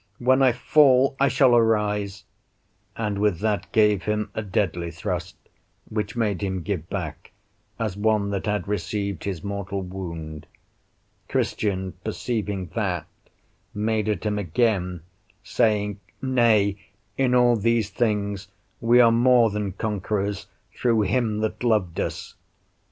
when I fall I shall arise;" and with that gave him a deadly thrust, which made him give back, as one that had received his mortal wound; Christian, perceiving that, made at him again, saying, "Nay, in all these things we are more than conquerors through him that loved us."